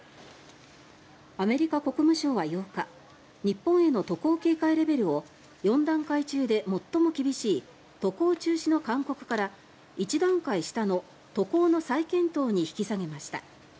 アメリカ国務省は８日日本への渡航警戒レベルを４段階中で最も厳しい渡航中止の勧告から１段階下の渡航の再検討に引き下げました。